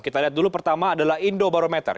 kita lihat dulu pertama adalah indobarometer